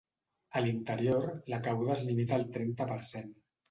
A l’interior, la cabuda es limita al trenta per cent.